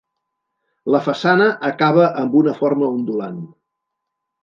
La façana acaba amb una forma ondulant.